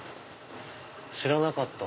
知らなかった。